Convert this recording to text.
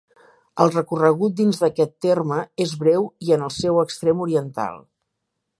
El recorregut dins d'aquest terme és breu i en el seu extrem oriental.